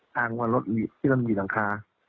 ตามคือรถที่มันมีหนังคา